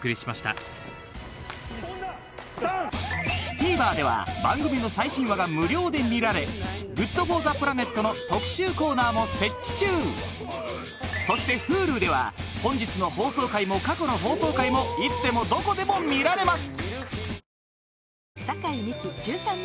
ＴＶｅｒでは番組の最新話が無料で見られＧｏｏｄＦｏｒｔｈｅＰｌａｎｅｔの特集コーナーも設置中そしてＨｕｌｕでは本日の放送回も過去の放送回もいつでもどこでも見られます